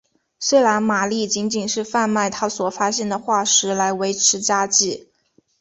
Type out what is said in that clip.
虽然玛丽仅仅是贩卖她所发现的化石来维持家计。